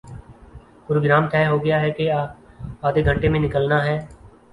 programme طے ہو گیا کہ آدھےگھنٹے میں نکلنا ہے